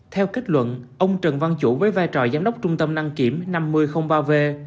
theo kết luận ông trần văn chủ với vai trò giám đốc trung tâm đăng kiểm năm mươi ba v